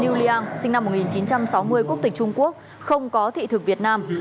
yuliang sinh năm một nghìn chín trăm sáu mươi quốc tịch trung quốc không có thị thực việt nam